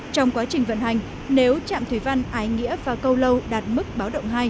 trong quá trình vận hành nếu trạm thủy văn ái nghĩa và câu lâu đạt mức báo động hai